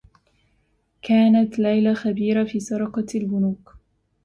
كانت ليلى خبيرة في سرقة البنوك.